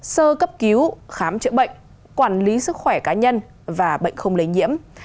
sơ cấp cứu khám chữa bệnh quản lý sức khỏe cá nhân và bệnh không lấy nhiễm